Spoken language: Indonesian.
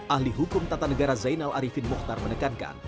ahli hukum tata negara zainal arifin mohtar menekankan